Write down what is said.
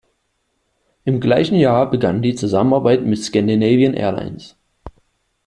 Im gleichen Jahr begann die Zusammenarbeit mit Scandinavian Airlines.